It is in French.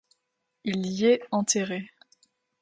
Il y est enterré.